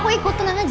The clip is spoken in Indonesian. kok ikut tenang aja